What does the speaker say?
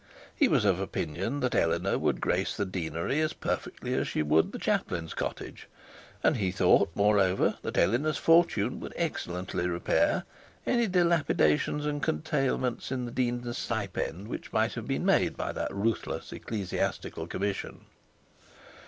He was of the opinion that Eleanor would grace the deanery as perfectly as she would the chaplain's cottage; and he thought, moreover, that Eleanor's fortune would excellently repair and dilapidations and curtailments in the dean's stipend which might have been made by that ruthless ecclesiastical commission.